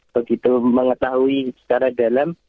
begitu mengetahui secara dalam